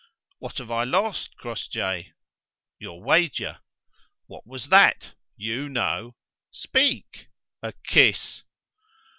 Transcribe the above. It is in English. "What have I lost, Crossjay?" "Your wager." "What was that?" "You know." "Speak." "A kiss."